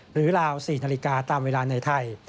หรือราว๔นาฬิกาตามเวลาในไทย